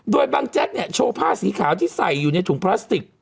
โดยบังแจ็คเนี่ยโชว์ผ้าสีขาวที่ใส่อยู่ในถุงพลาสติก